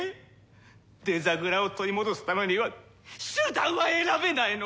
デザグラを取り戻すためには手段は選べないの！